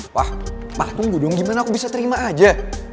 wah patung budong gimana aku bisa terima aja